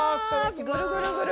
ぐるぐるぐる。